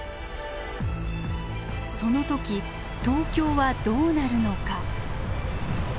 その時東京はどうなるのか。